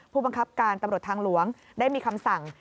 ผู้บังคับการตำรวจทางหลวงได้มีคำสั่ง